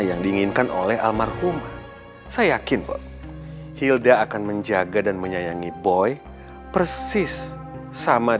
yang diinginkan oleh almarhumah saya yakin hilda akan menjaga dan menyayangi boy persis sama